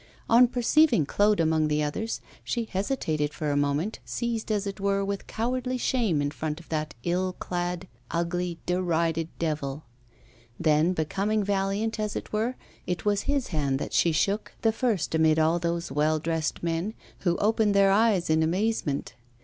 On perceiving Claude among the others, she hesitated for a moment, seized, as it were, with cowardly shame in front of that ill clad, ugly, derided devil. Then, becoming valiant, as it were, it was his hand that she shook the first amid all those well dressed men, who opened their eyes in amazement.